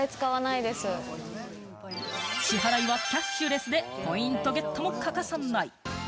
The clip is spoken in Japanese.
支払いはキャッシュレスでポイントゲットも欠かさない。